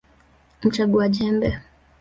Mchagua jembe